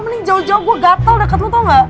mending jauh jauh gua gatel deket lo tau gak